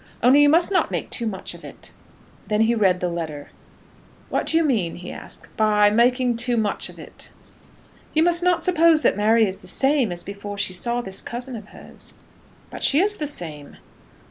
Only you must not make too much of it." Then he read the letter. "What do you mean," he asked, "by making too much of it?" "You must not suppose that Mary is the same as before she saw this cousin of hers." "But she is the same."